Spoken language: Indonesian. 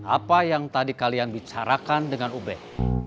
apa yang tadi kalian bicarakan dengan ubed